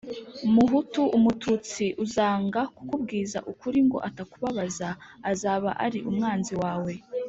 Muhutu, umututsi uzanga kukubwiza ukuri ngo atakubabaza, azaba ari umwanzi wawe.